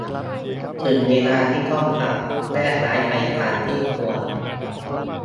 ถึงเวลาที่ต้องพัก แยกย้ายไปทางที่ควร